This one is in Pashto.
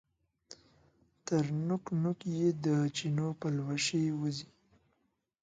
تر نوک، نوک یې د چینو پلوشې وځي